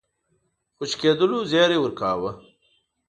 خوشي کېدلو زېری ورکاوه.